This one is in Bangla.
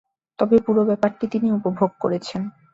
তবে পুরো ব্যাপারটি তিনি উপভোগ করেছেন।